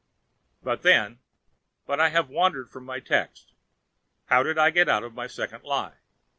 And then—But I have wandered from my text. How did I get out of my second lie?